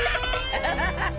アハハハ！